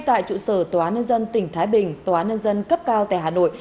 tại trụ sở tòa nân dân tỉnh thái bình tòa nân dân cấp cao tại hà nội